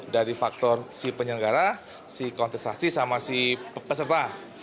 dari faktor si penyelenggara si kontestasi sama si peserta